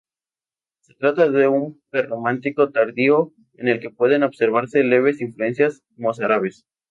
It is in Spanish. Se trata de un prerrománico tardío en el que pueden observarse leves influencias mozárabes.